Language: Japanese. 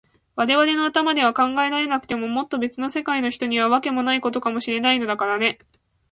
われわれの頭では考えられなくても、もっとべつの世界の人には、わけもないことかもしれないのだからね。